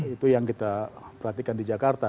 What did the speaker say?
itu yang kita perhatikan di jakarta